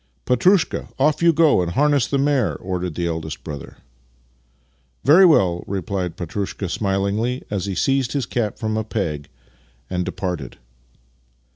" Petrushka, off you go and harness the mare," ordered the eldest brother. " Very well," replied Petrushka smilingly as he seized his cap from a peg and departed.